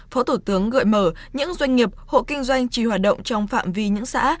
phó thủ tướng gợi mở những doanh nghiệp hộ kinh doanh chỉ hoạt động trong phạm vi những xã